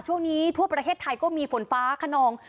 ช่วงนี้ทั่วประเทศไทยก็มีฝนฟ้าขนอง